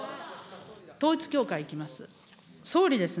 統一教会いきます。